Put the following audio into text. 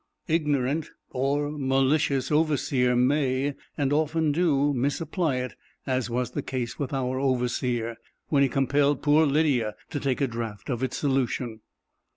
Ignorant, or malicious overseer may, and often do, misapply it, as was the case with our overseer, when he compelled poor Lydia to take a draught of its solution.